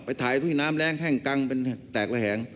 ไปถ่ายฟุ้งงี้น้ำแรงแข้งกองเป็นแตกระแฮง